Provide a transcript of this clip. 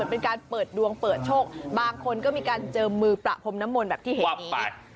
เป็นการเปิดดวงเปิดโชคบางคนก็มีการเจิมมือประพรมน้ำมนต์แบบที่เห็นนี้